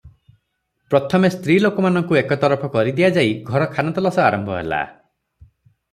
ପ୍ରଥମେ ସ୍ତ୍ରୀ ଲୋକମାନଙ୍କୁ ଏକ ତରଫ କରିଦିଆଯାଇ ଘର ଖାନତଲାସ ଆରମ୍ଭ ହେଲା ।